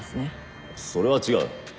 それは違う。